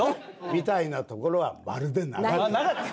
みたいなところはまるでなかった。